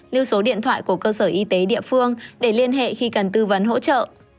lưu số điện thoại của cơ sở y tế địa phương để liên hệ khi cần tư vấn hỗ trợ